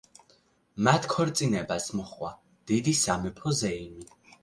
მათ ქორწინებას მოჰყვა დიდი სამეფო ზეიმი.